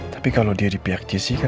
tapi kalau dia di pihak jessica